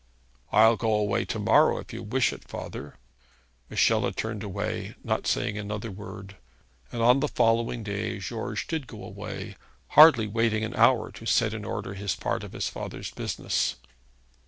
'I'll go away to morrow if you wish it, father.' Michel had turned away, not saying another word; and on the following day George did go away, hardly waiting an hour to set in order his part of his father's business.